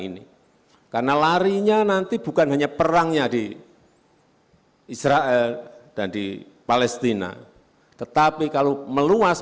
ini karena larinya nanti bukan hanya perangnya di israel dan di palestina tetapi kalau meluas